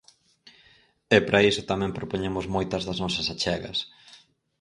E para iso tamén propoñemos moitas das nosas achegas.